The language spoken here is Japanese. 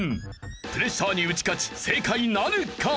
プレッシャーに打ち勝ち正解なるか？